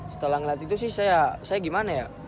setelah ngeliat itu sih saya gimana ya